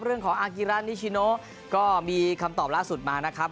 เรื่องของอากิระนิชิโนก็มีคำตอบล่าสุดมานะครับ